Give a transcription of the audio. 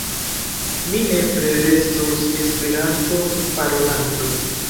Mi nepre restos Esperanto-parolanto.